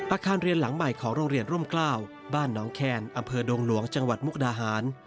อาคารเรียนหลังใหม่ของโรงเรียนร่มกล้าวบ้านน้องแคนอำเภอดงหลวงจังหวัดมุกดาหาร